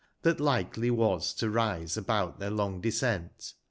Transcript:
That likely was to rise about their long descent, [plead.